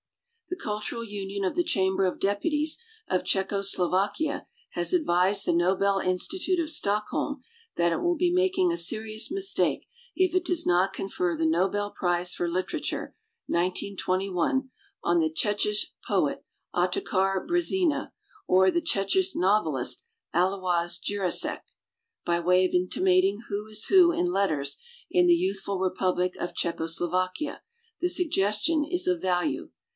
The Cultural Union of the Chamber of Deputies of Czecho Slovakia has ad vised the Nobel Institute of Stockholm that it will be making a serious mis take if it does not confer the Nobel Prize for Literature, 1921, on the Czechish poet Ottokar Brezina or the Czechish novelist Alois Jirasek. By way of intimating who is who in let ters in the youthful republic of Czecho Slovakia, the suggestion is of value.